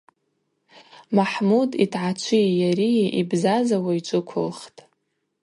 Махӏмуд йтгӏачви йари йбзазауа йджвыквылхтӏ.